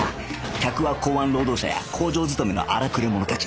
客は港湾労働者や工場勤めの荒くれ者たち